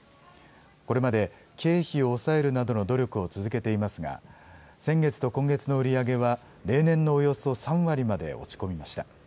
これまで経費を抑えるなどの努力を続けていますが、先月と今月の売り上げは、例年のおよそ３割にまで落ち込みました。